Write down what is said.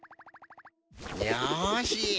よし。